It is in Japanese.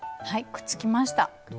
くっつきました。